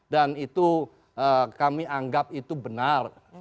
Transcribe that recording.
dan itu kami anggap itu benar